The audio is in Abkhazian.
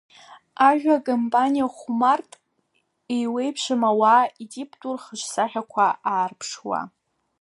Ажәа акомпаниа хәмарт еиуеиԥшым ауаа итиптәу рхаҿсахьақәа аарԥшуа.